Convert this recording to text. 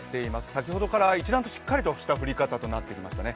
先ほどから一段としっかりとした降り方となってきましたね。